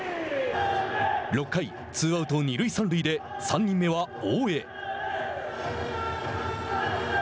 ６回ツーアウト二塁三塁で３人目は大江。